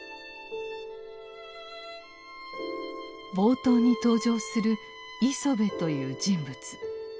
冒頭に登場する「磯辺」という人物。